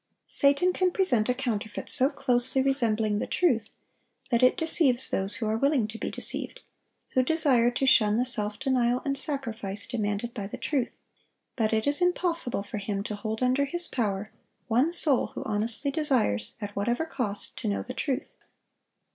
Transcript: Satan can present a counterfeit so closely resembling the truth that it deceives those who are willing to be deceived, who desire to shun the self denial and sacrifice demanded by the truth; but it is impossible for him to hold under his power one soul who honestly desires, at whatever cost, to know the truth.